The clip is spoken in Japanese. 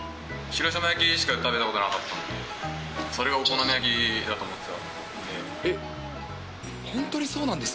広島焼きしか食べたことなかったんで、それがお好み焼きだと思ってたんで。